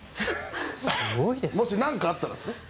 もし何かあったらですよ。